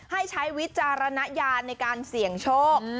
ใช้วิจารณญาณในการเสี่ยงโชค